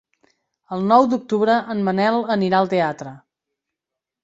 El nou d'octubre en Manel anirà al teatre.